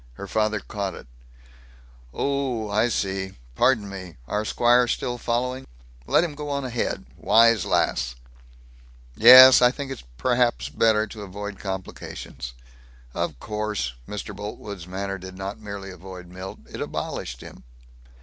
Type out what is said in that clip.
Her father caught it: "Oh, I see. Pardon me. Our squire still following? Let him go on ahead? Wise lass." "Yes. I think perhaps it's better to avoid complications." "Of course." Mr. Boltwood's manner did not merely avoid Milt; it abolished him.